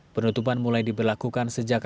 penutupan mulai diberlakukan sejak